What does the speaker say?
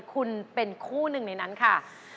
คุณเป็นคู่หนึ่งในนั้นค่ะ